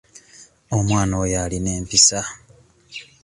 Omwana oyo alina empisa.